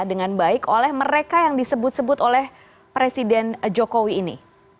dengan baik oleh mereka yang disebut sebut oleh presiden jokowi ini